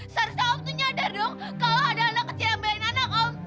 seharusnya om tuh nyadar dong kalau ada anak kecil yang belain anak om